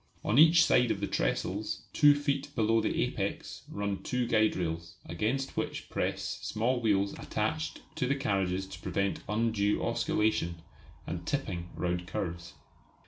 On each side of the trestles, two feet below the apex, run two guide rails, against which press small wheels attached to the carriages to prevent undue oscillation and "tipping" round curves.